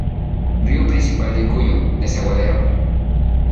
Río principal de Cuyo: Desaguadero.